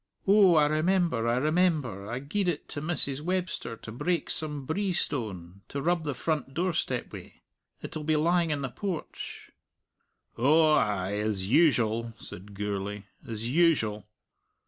"Oh, I remember, I remember! I gied it to Mrs. Webster to break some brie stone, to rub the front doorstep wi'. It'll be lying in the porch." "Oh, ay, as usual," said Gourlay "as usual."